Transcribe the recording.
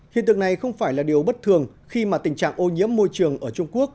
hiện tượng này không phải là điều bất thường khi mà tình trạng ô nhiễm môi trường ở trung quốc